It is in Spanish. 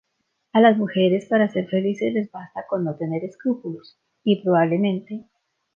a las mujeres para ser felices les basta con no tener escrúpulos, y probablemente